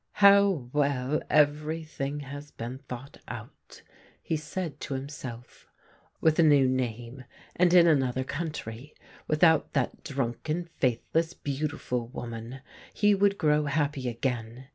' How well every thing has been thought out !' he said to himself. All would succeed. With a new name^ and in another country, without that drunken, faith less, beautiful woman, he would grow happy again.